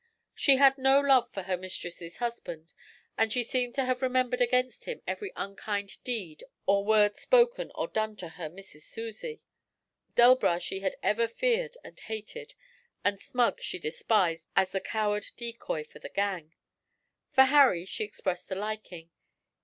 She had no love for her mistress's husband, and she seemed to have remembered against him every unkind deed or word spoken or done to her 'Missis Susie.' Delbras she had ever feared and hated, and Smug she despised as the coward decoy of the gang. For Harry she expressed a liking.